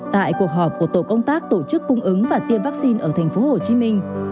tại cuộc họp của tổ công tác tổ chức cung ứng và tiêm vaccine ở thành phố hồ chí minh